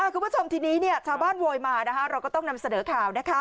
คุณผู้ชมทีนี้ชาวบ้านโวยมาเราก็ต้องนำเสนอข่าวนะคะ